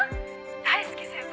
大介先輩